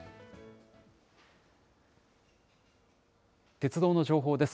鉄道の情報です。